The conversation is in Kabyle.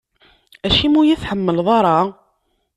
Acimi ur yi-tḥemmleḍ ara?